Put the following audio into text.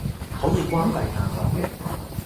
可以關閉彈幕嘅